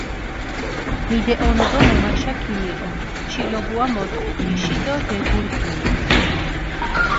მიდეჸონუ დო მუმაშა ქიმიჸონ, ჩილობუა მოთხუ თიში დო დეგურგინუ.